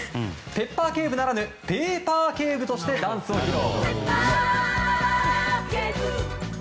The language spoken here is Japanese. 「ペッパー警部」ならぬペーパー警部としてダンスを披露。